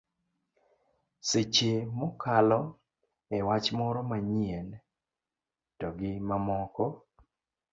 seche mokalo e wach moro manyien to gi mamoko